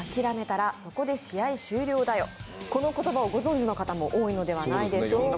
この言葉をご存じの方も多いのではないでしょうか。